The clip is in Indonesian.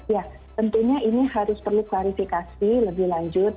ya tentunya ini harus perlu klarifikasi lebih lanjut